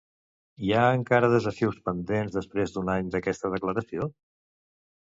Hi ha encara desafius pendents després d'un any d'aquesta declaració?